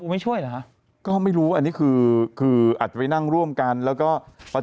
ไม่ช่วยเหรอคะก็ไม่รู้อันนี้คือคืออาจจะไปนั่งร่วมกันแล้วก็